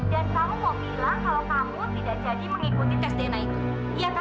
dan kamu mau bilang kalau kamu tidak jadi mengikuti mama kan